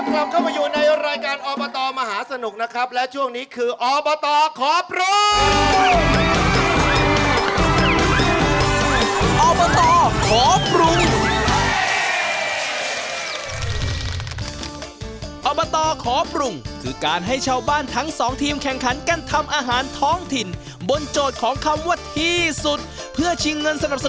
เอาละครับกลับเข้ามาอยู่ในรายการออปเตอร์มหาสนุกนะครับ